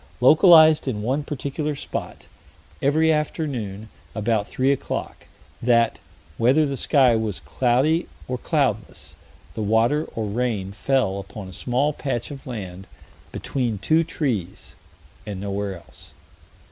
localized in one particular spot, every afternoon, about three o'clock; that, whether the sky was cloudy or cloudless, the water or rain fell upon a small patch of land between two trees and nowhere else.